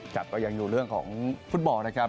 ก็ยังอยู่เรื่องของฟุตบอลนะครับ